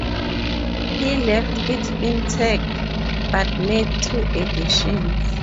He left it intact, but made two additions.